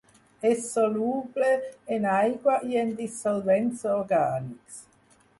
És soluble en aigua i en dissolvents orgànics.